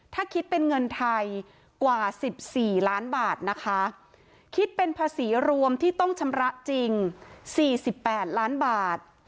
ถ้าคิดเป็นเงินไทยกว่า๑๔ล้านบาทนะคะคิดเป็นภาษีรวมที่ต้องชำระจริง๔๘ล้านบาท